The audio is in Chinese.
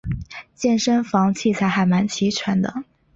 健身房器材还蛮齐全的